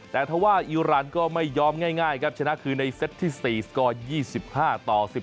แต่ถ้าว่าอิราณก็ไม่ยอมง่ายครับชนะคือในเซตที่๔สกอร์๒๕ต่อ๑๒